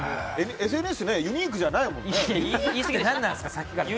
ＳＮＳユニークじゃないもんね。